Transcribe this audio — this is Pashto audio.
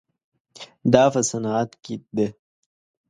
دا په صنعت کې ده.